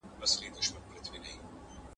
• اوبه په اوبو گډېږي.